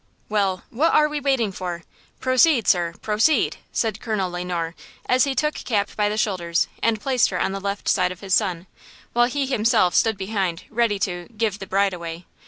"Well, what are we waiting for? Proceed, sir, proceed!" said Colonel Le Noir as he took Cap by the shoulders and placed her on the left side of his son, while he himself stood behind ready to "give the bride away."